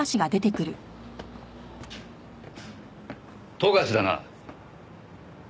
冨樫だな？